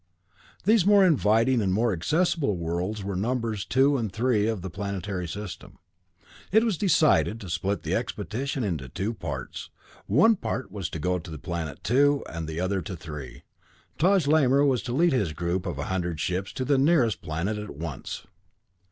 These more inviting and more accessible worlds were numbers two and three of the planetary system. It was decided to split the expedition into two parts; one part was to go to planet two, and the other to three. Taj Lamor was to lead his group of a hundred ships to the nearer planet at once.